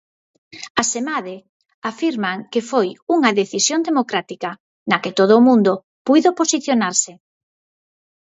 Asemade, afirman que foi unha "decisión democrática" na que "todo o mundo" puido posicionarse.